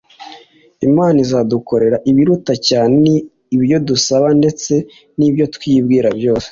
Imana izadukorera "ibiruta cyane ibyo dusaba, ndetse n'ibyo twibwira byose."